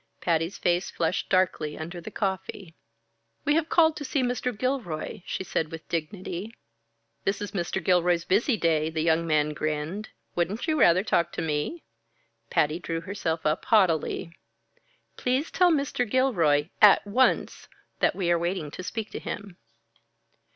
Patty's face flushed darkly under the coffee. "We have called to see Mr. Gilroy," she said with dignity. "This is Mr. Gilroy's busy day," the young man grinned. "Wouldn't you rather talk to me?" Patty drew herself up haughtily. "Please tell Mr. Gilroy at once that we are waiting to speak to him."